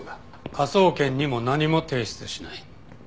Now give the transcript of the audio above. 科捜研にも何も提出しない。